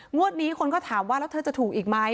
งวดนี้คนก็ถามว่าแล้วเธอจะถูกอีกไหม